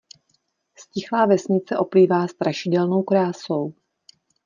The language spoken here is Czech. Ztichlá vesnice oplývá strašidelnou krásou.